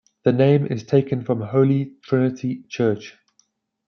The name is taken from "Holy Trinity Church".